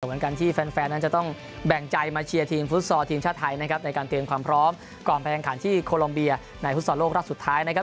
เหมือนกันที่แฟนแฟนนั้นจะต้องแบ่งใจมาเชียร์ทีมฟุตซอลทีมชาติไทยนะครับในการเตรียมความพร้อมก่อนไปแข่งขันที่โคลอมเบียในฟุตซอลโลกรอบสุดท้ายนะครับ